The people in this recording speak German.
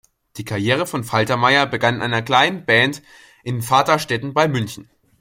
Die Karriere von Faltermeyer begann in einer kleinen Band in Vaterstetten bei München.